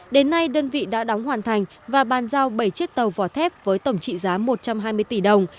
đến nay đơn vị đã đóng hoàn thành và bàn giao bảy chiếc tàu vỏ thép với tổng trị giá một trăm hai mươi tỷ đồng